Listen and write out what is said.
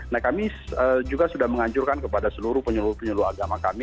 nah kami juga sudah mengancurkan kepada seluruh penyeluruh penyuluh agama kami